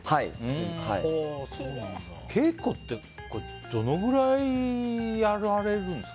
稽古ってどのくらいやられるんですか。